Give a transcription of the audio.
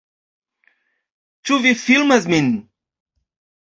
Ĉu vi filmas min?